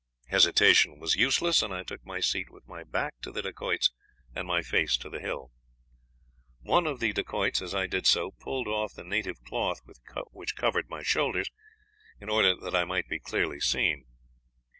Hesitation was useless, and I took my seat with my back to the Dacoits and my face to the hill. One of the Dacoits, as I did so, pulled off the native cloth which covered my shoulders, in order that I might be clearly seen.